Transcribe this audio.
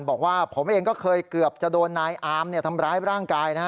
บอกว่าผมเองก็เคยเกือบจะโดนนายอามทำร้ายร่างกายนะฮะ